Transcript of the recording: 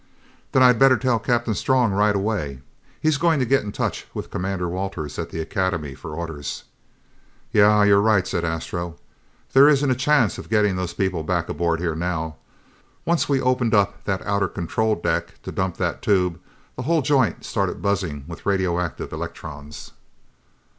"Then I'd better tell Captain Strong right away. He's going to get in touch with Commander Walters at the Academy for orders." "Yeah, you're right," said Astro. "There isn't a chance of getting those people back aboard here now. Once we opened up that outer control deck to dump that tube, the whole joint started buzzing with radioactive electrons."